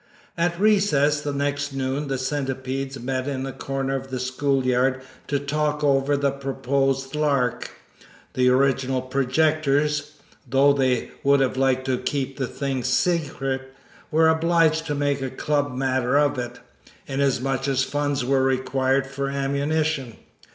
At recess the next noon the Centipedes met in a corner of the school yard to talk over the proposed lark. The original projectors, though they would have liked to keep the thing secret, were obliged to make a club matter of it, inasmuch as funds were required for ammunition.